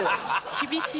厳しい。